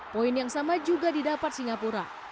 poin yang sama juga didapat singapura